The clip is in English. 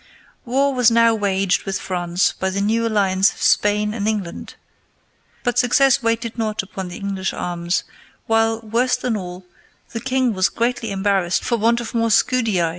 ] War was now waged with France by the new alliance of Spain and England; but success waited not upon the English arms, while, worse than all, the king was greatly embarrassed for want of more scudii.